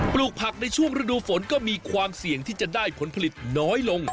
ปลูกผักในช่วงฤดูฝนก็มีความเสี่ยงที่จะได้ผลผลิตน้อยลง